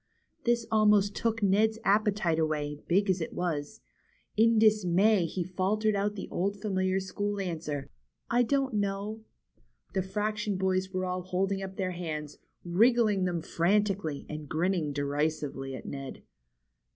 '' This almost took Ned's appetite away, big as it was. In dismay he faltered out the old familiar school answer : ^^I don't know." The fraction boys were all holding up their hands, wriggling them frantically, and grinning derisively at Ned.